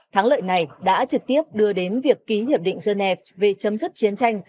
tháng lợi này đã trực tiếp đưa đến việc ký hiệp định dân e về chấm dứt chiến tranh